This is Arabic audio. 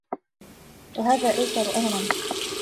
وَهَذَا أَيْسَرُ أَمْرًا